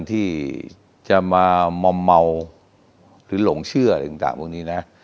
ที่จะมามอมเมาหรือหลงเชื่ออะไรต่างพวกนี้นะ